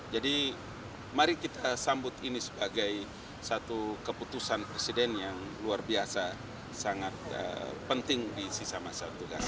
jadi mari kita sambut ini sebagai satu keputusan presiden yang luar biasa sangat penting di sisa masa tugasnya